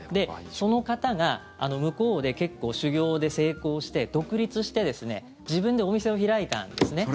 その方が向こうで結構、修行で成功して、独立して自分でお店を開いたんですね。